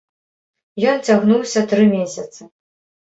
Ён цягнуўся тры месяцы.